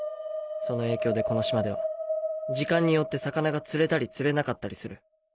その影響でこの島では時間によって魚が釣れたり釣れなかったりする。